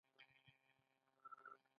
په ملاصاحب باور نه کاوه.